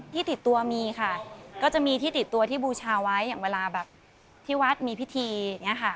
ที่ติดตัวมีค่ะก็จะมีที่ติดตัวที่บูชาไว้อย่างเวลาแบบที่วัดมีพิธีอย่างนี้ค่ะ